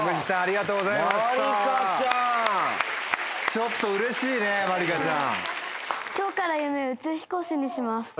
ちょっとうれしいねまりかちゃん。